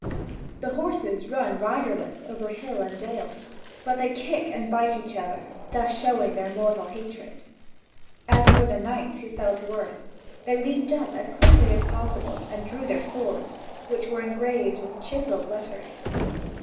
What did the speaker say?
The horses run riderless over hill and dale, but they kick and bite each other, thus showing their mortal hatred. As for the knights who fell to earth, they leaped up as quickly as possible and drew their swords, which were engraved with chiselled lettering.